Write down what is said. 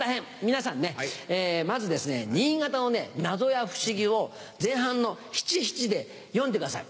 皆さんまずですね新潟の謎や不思議を前半の七・七で詠んでください。